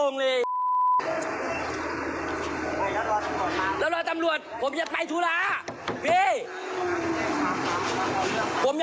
เงิน๕๐๐ไม่เอาแล้วเอาไปเลย